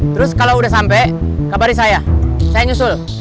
terus kalau udah sampai kabarin saya saya nyusul